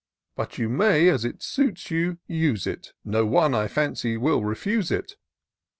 145 But you may, as it suits you, use it, — No one, I fancy, will refiise it."